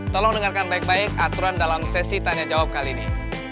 tolong dengarkan baik baik aturan dalam sesi tanya jawab kali ini